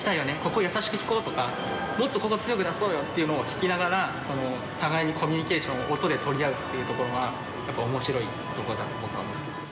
ここ優しく弾こうとかもっとここ強く出そうよっていうのを弾きながら互いにコミュニケーションを音で取り合うっていうところがやっぱ面白いとこだと僕は思っています。